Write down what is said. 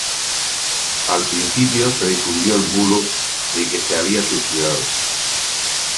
Al principio se difundió el bulo de que se había suicidado.